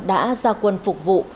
đã ra quân phục vụ